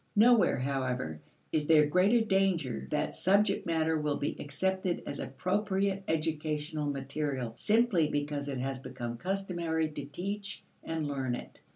Nowhere, however, is there greater danger that subject matter will be accepted as appropriate educational material simply because it has become customary to teach and learn it.